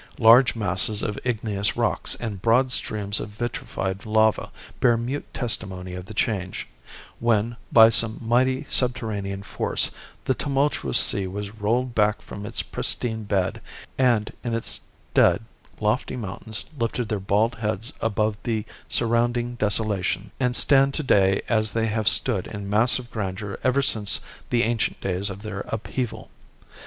Large masses of igneous rocks and broad streams of vitrified lava bear mute testimony of the change, when, by some mighty subterranean force, the tumultuous sea was rolled back from its pristine bed and, in its stead, lofty mountains lifted their bald beads above the surrounding desolation, and stand to day as they have stood in massive grandeur ever since the ancient days of their upheaval.